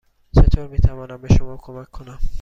چطور می توانم به شما کمک کنم؟